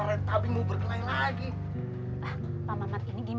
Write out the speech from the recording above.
eh pak mamat